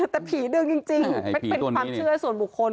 แต่ผีดึงจริงเป็นความเชื่อส่วนบุคคล